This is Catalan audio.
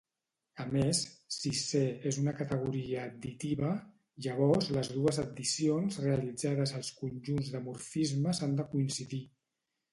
A més, si C és una categoria additiva, llavors les dues addicions realitzades als conjunts de morfismes han de coincidir.